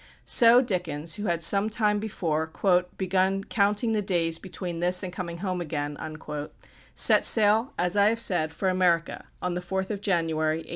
So Dickens, who had some time before "begun counting the days between this and coming home again," set sail, as I have said, for America on the 4th of January, 1842.